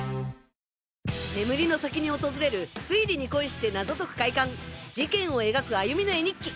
眠りの先に訪れる推理に恋して謎解く快感事件を描く歩美の絵日記